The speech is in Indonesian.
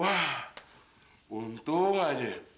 wah untung aja